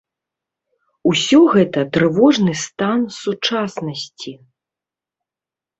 Усё гэта трывожны стан сучаснасці.